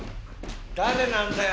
誰なんだよ？